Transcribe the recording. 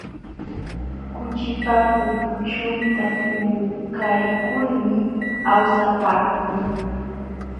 Kuchipa pukuchunta puukaykulmi awsapaakuu.